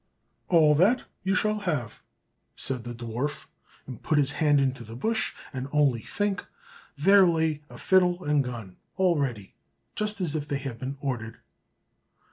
"All that shall you have," said the dwarf; and put his hand into the bush, and only think, there lay a fiddle and gun, all ready, just as if they had been ordered.